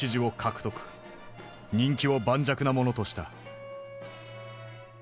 人気を盤石なものとした。